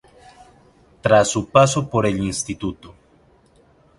Tras su paso por el instituto.